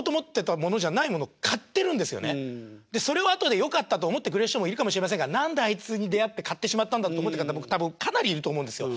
それを後でよかったと思ってくれる人もいるかもしれませんが何であいつに出会って買ってしまったんだって思ってる方僕かなりいると思うんですよ。